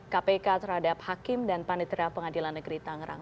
kpk terhadap hakim dan panitera pengadilan negeri tangerang